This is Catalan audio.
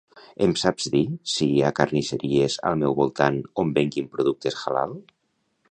Em saps dir si hi ha carnisseries al meu voltant on venguin productes halal?